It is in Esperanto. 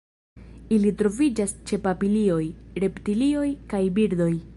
Ili troviĝas ĉe papilioj, reptilioj kaj birdoj.